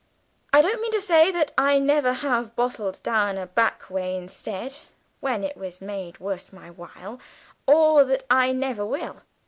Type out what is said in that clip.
I don't mean to say that I never have bolted down a back way, instead, when it was made worth my while, or that I never will."